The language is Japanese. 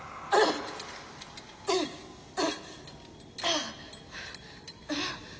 ああ！